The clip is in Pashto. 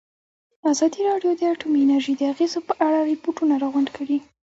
ازادي راډیو د اټومي انرژي د اغېزو په اړه ریپوټونه راغونډ کړي.